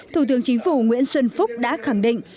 thủ tướng chính phủ nguyễn xuân phúc đã khẳng định